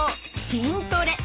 筋トレ。